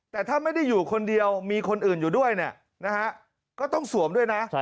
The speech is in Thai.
แต่ถ้าไม่ได้อยู่คนเดียวมีคนอื่นอยู่ด้วยเนี่ยนะฮะก็ต้องสวมด้วยนะ